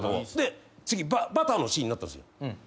で次バターのシーンになったんすよ。